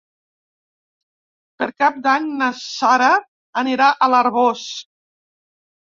Per Cap d'Any na Sara anirà a l'Arboç.